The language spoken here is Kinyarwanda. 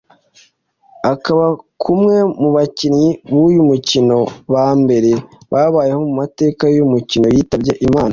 akaba nk’umwe mu bakinnyi b’uyu mukino ba mbere babayeho mu mateka y’uyu mukino yitabye Imana